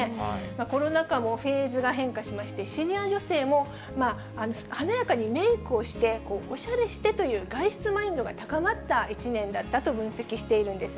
コロナ禍もフェーズが変化しまして、シニア女性も華やかにメークをして、おしゃれしてという外出マインドが高まった１年だったと分析しているんです。